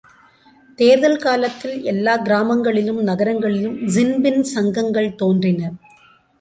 தேர்தல் காலத்தில் எல்லாக் கிராமங்களிலும் நகரங்களிலும் ஸின்பின் சங்கங்கள் தோன்றின.